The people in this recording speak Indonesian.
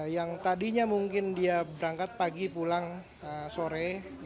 yang tadinya mungkin dia berangkat pagi pulang sore